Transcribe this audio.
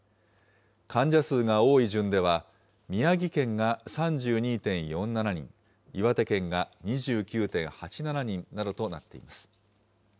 患者数が多い順では宮城県が３２．４７人、岩手県が２９．８７人などとなっています。